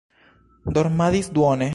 Dormadis duone.